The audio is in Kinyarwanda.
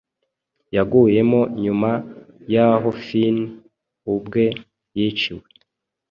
yaguyemo Nyuma yahoFinn ubwe yiciwe